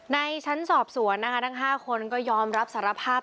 ในชั้นสอบสวนนะคะทั้ง๕คนก็ยอมรับสารภาพ